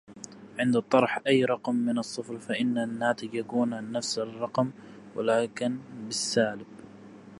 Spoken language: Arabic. عند طرح أي رقم من الصفر فإن الناتج يكون نفس الرقم ولكن بالسالب